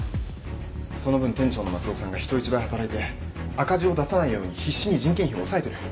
その分店長の松尾さんが人一倍働いて赤字を出さないように必死に人件費を抑えてる。